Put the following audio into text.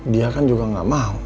dia kan juga nggak mau